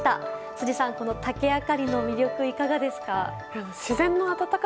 辻さん、竹あかりの魅力いかがですか？